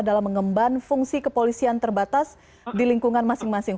dalam mengemban fungsi kepolisian terbatas di lingkungan masing masing